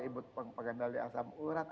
ibut pengendali asam urat